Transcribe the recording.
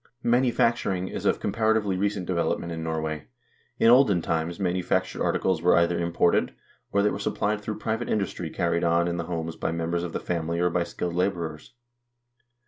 Manufacturing is of comparatively recent development in Norway. In olden times manufactured articles were either imported, or they were supplied through private industry carried on in the homes by members of the family or by skilled laborers.